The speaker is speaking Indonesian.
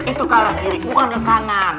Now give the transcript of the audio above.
itu kala kiri bukan rekanan